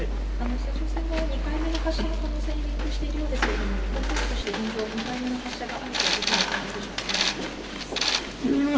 北朝鮮が２回目の発射の可能性を予告しているようですけれども、日本政府として２回目の発射があるというお考えでしょうか。